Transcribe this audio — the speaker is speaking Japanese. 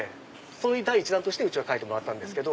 それの第１弾としてうちは描いてもらったんですけど。